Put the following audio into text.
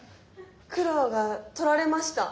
黒が取られました。